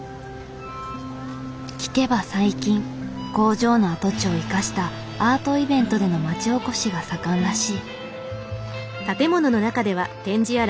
聞けば最近工場の跡地を生かしたアートイベントでの町おこしが盛んらしい。